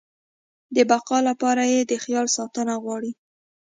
د بقا لپاره يې د خیال ساتنه غواړي.